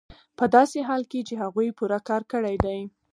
په داسې حال کې چې هغوی پوره کار کړی دی